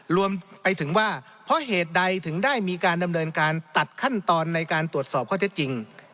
รวมไปถึงว่าเพราะเหตุใดถึงได้มีการดำเนินการตัดขั้นตอนในการตรวจสอบข้อเท็จจริง